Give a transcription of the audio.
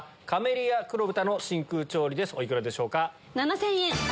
お幾らでしょうか？